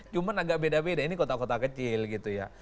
cuma agak beda beda ini kota kota kecil gitu ya